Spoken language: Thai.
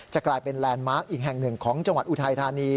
กลายเป็นแลนด์มาร์คอีกแห่งหนึ่งของจังหวัดอุทัยธานี